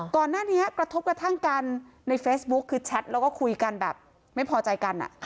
กระทบกระทั่งกันในเฟซบุ๊คคือแชทแล้วก็คุยกันแบบไม่พอใจกัน